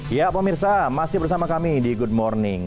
ya pemirsa masih bersama kami di good morning